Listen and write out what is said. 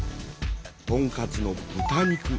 とんカツの豚肉。